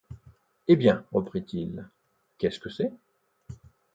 Eh bien, reprit-il, qu’est-ce que c’est ?